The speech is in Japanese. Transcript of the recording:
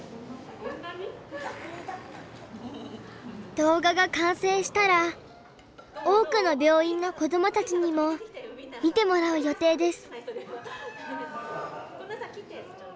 動画が完成したら多くの病院の子どもたちにも見てもらう予定です。